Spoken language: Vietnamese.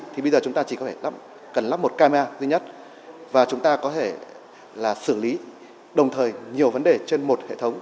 thì bây giờ chúng ta chỉ cần lắp một camera duy nhất và chúng ta có thể xử lý đồng thời nhiều vấn đề trên một hệ thống